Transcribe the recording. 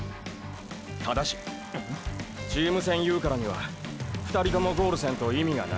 ただし。っ？チーム戦言うからには２人ともゴールせんと意味がない。